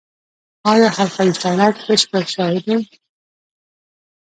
آیا حلقوي سړک بشپړ شوی دی؟